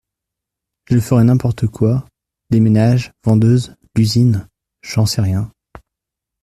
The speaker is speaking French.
Je ferai n’importe quoi, des ménages, vendeuse, l’usine, j’en sais rien.